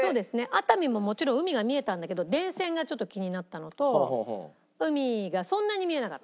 熱海ももちろん海が見えたんだけど電線がちょっと気になったのと海がそんなに見えなかった。